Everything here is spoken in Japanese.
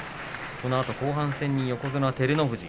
このあと後半戦に横綱照ノ富士